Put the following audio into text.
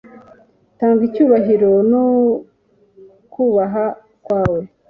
tanga icyubahiro n'ukubaha kwawe